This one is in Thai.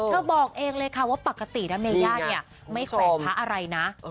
บอกเองเลยค่ะว่าปกตินะเมย่าเนี่ยไม่แขวนพระอะไรนะ